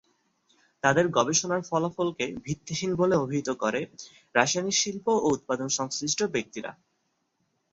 তাদের গবেষণার ফলাফলকে ভিত্তিহীন বলে অভিহিত করে রাসায়নিক শিল্প ও উৎপাদন সংশ্লিষ্ট ব্যক্তিরা।